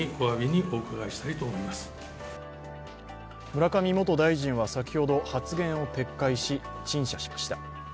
村上元大臣は先ほど、発言を撤回し、陳謝しました。